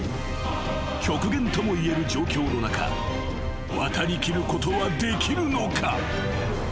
［極限ともいえる状況の中渡りきることはできるのか？］